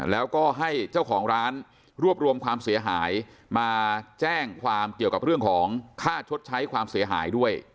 แล้วก็ให้เจ้าของร้านรวบรวมความเสียหายมาแจ้งความเกี่ยวกับเรื่องของค่าชดใช้ความเสียหายด้วย